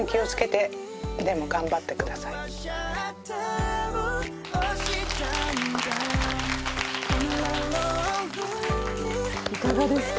いかがですか？